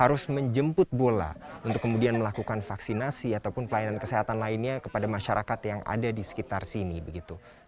untuk kemudian melakukan vaksinasi ataupun pelayanan kesehatan lainnya kepada masyarakat yang ada di sekitar sini